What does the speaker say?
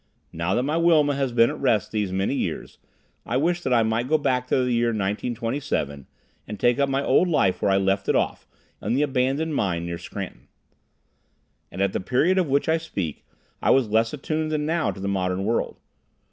Now that my Wilma has been at rest these many years, I wish that I might go back to the year 1927, and take up my old life where I left it off, in the abandoned mine near Scranton. And at the period of which I speak, I was less attuned than now to the modern world.